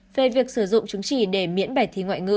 về việc sử dụng chứng chỉ để miễn bài thi ngoại ngữ